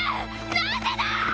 なぜだ⁉